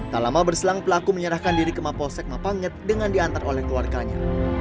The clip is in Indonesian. tak lama berselang pelaku menyerahkan diri ke mapolsek mapanget dengan diantar oleh keluarganya